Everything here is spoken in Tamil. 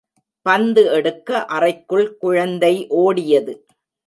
பந்து எடுக்க அறைக்குள் குழந்தை ஒடியது.